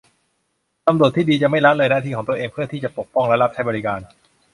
ตำรวจที่ดีจะไม่ละเลยหน้าที่ของตัวเองเพื่อที่จะปกป้องและรับใช้บริการ